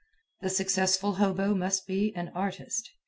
The successful hobo must be an artist.